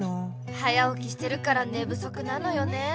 「早おきしてるからねぶそくなのよね」。